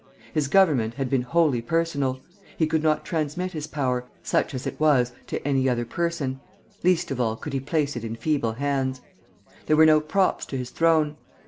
His government had been wholly personal. He could not transmit his power, such is it was, to any other person, least of all could he place it in feeble hands. There were no props to his throne.